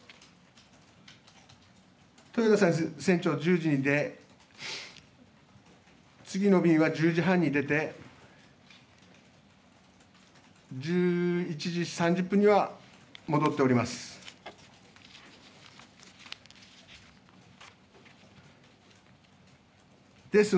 豊田船長、次の便は１０時半に出て１１時３０分には戻っております。